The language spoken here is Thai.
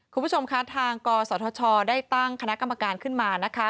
คุณผู้ชมคะทางกศธชได้ตั้งคณะกรรมการขึ้นมานะคะ